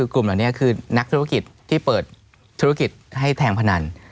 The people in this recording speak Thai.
กลุ่มเหล่านี้คือนักธุรกิจที่เปิดธุรกิจให้แทงพนัน